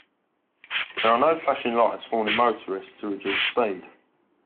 There are no flashing lights warning motorists to reduce speed.